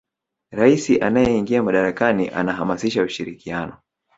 rais anayeingia madarakani anahamasisha ushirikiano